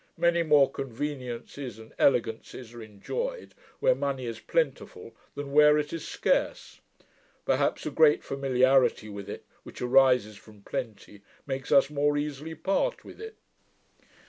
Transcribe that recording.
Many more conveniences and elegancies are enjoyed where money is plentiful, than where it is scarce. Perhaps a great familiarity with it, which arises from plenty, makes us more easily part with it.'